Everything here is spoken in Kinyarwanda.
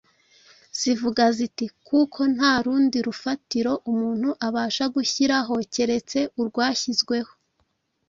zivuga ziti, “Kuko nta rundi rufatiro umuntu abasha gushyiraho keretse urwashyizweho,